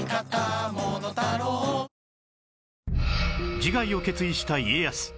自害を決意した家康